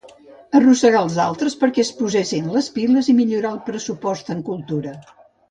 Arrossegar els altres perquè es posessin les piles i millorar el pressupost en cultura